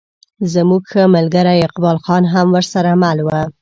زموږ ښه ملګری اقبال خان هم ورسره مل و.